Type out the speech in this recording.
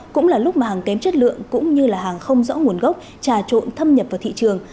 cũng là lúc mà hàng kém chất lượng cũng như là hàng không rõ nguồn gốc trà trộn thâm nhập vào thị trường